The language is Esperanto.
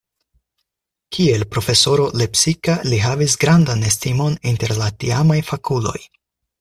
Kiel profesoro lepsika li havis grandan estimon inter la tiamaj fakuloj.